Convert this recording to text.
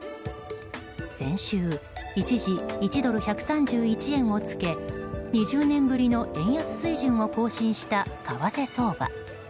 先週、一時１ドル＝１３１円をつけ２０年ぶりの円安水準を更新した為替相場。